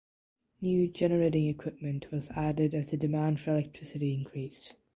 New generating equipment was added as the demand for electricity increased.